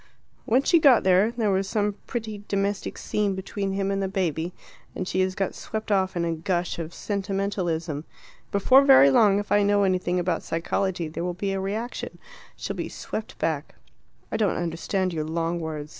"When she got there, there was some pretty domestic scene between him and the baby, and she has got swept off in a gush of sentimentalism. Before very long, if I know anything about psychology, there will be a reaction. She'll be swept back." "I don't understand your long words.